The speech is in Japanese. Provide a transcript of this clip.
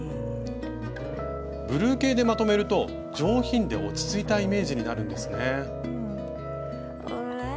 ブルー系でまとめると上品で落ち着いたイメージになるんですね。